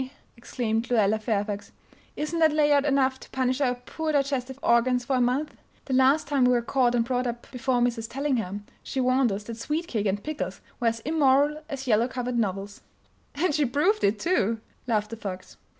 exclaimed Lluella Fairfax, "isn't that lay out enough to punish our poor digestive organs for a month? The last time we were caught and brought up before Mrs. Tellingham she warned us that sweetcake and pickles were as immoral as yellow covered novels!" "And she proved it, too," laughed the Fox.